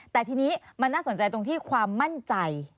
แต่ทีนี้มันน่าสนใจตรงที่ความมั่นใจ